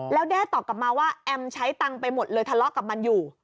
แล้วแด้ตอบกลับมาว่าแอมใช้ตังค์ไปหมดเลยทะเลาะกับมันอยู่